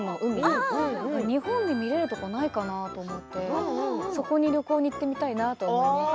日本で見られるところないかなと思ってそこに旅行に行ってみたいなと思っている。